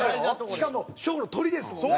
しかもショーのトリですもんね。